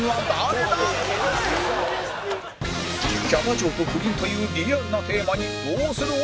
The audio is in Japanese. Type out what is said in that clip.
キャバ嬢と不倫というリアルなテーマにどうする？